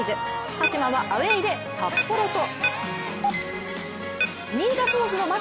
鹿島はアウェーで札幌と。